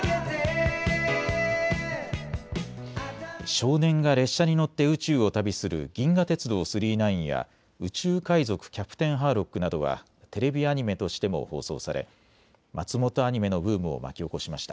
少年が列車に乗って宇宙を旅する銀河鉄道９９９や宇宙海賊キャプテンハーロックなどはテレビアニメとしても放送され松本アニメのブームを巻き起こしました。